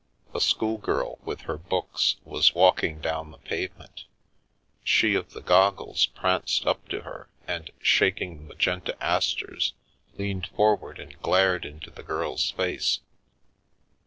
A schoolgirl, with her books, was walking down the pavement; she of the goggles pranced up to her and, shaking the magenta asters, leaned forward and glared into the girl's face.